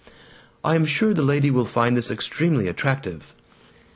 "I am sure the lady will find this extremely attractive."